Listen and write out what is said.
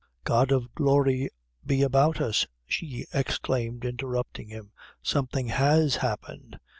"God of glory be about us!" she exclaimed, interrupting him; "something has happened!